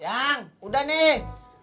yang udah nih